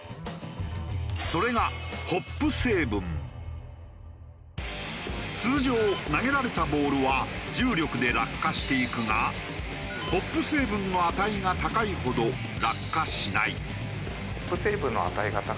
それが通常投げられたボールは重力で落下していくがホップ成分の値が高いほど落下しない。